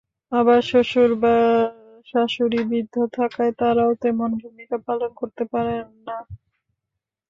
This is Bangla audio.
আবার শ্বশুর-শাশুড়ি বৃদ্ধ থাকায় তাঁরাও তেমন ভূমিকা পালন করতে পারেন না।